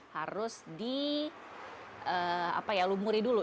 harus dilumuri dulu